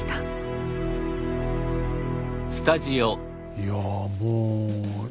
いやもう。